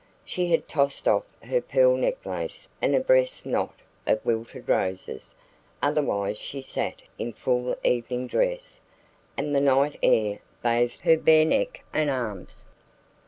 She had tossed off her pearl necklace and a breast knot of wilted roses; otherwise, she sat in full evening dress, and the night air bathed her bare neck and arms.